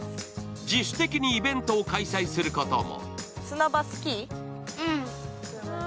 自主的にイベントを開催することも。